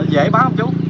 dễ bán không chú